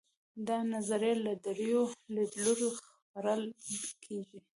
دا نظریه له درېیو لیدلورو څېړل کیږي.